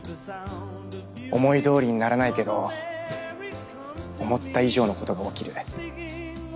思いどおりにならないけど思った以上のことが起きる。